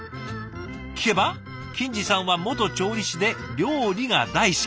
聞けば欣示さんは元調理師で料理が大好き。